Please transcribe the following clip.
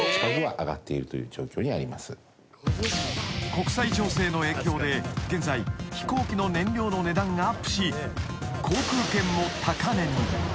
［国際情勢の影響で現在飛行機の燃料の値段がアップし航空券も高値に］